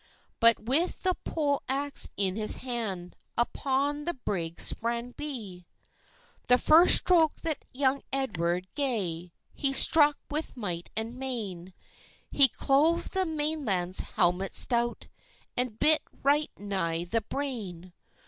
But, with the poll axe in his hand, Upon the brig sprang be. The first stroke that young Edward ga'e, He struck with might and main; He clove the Maitland's helmet stout, And bit right nigh the brain.